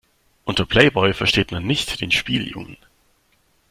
Unter Playboy versteht man nicht den Spieljungen.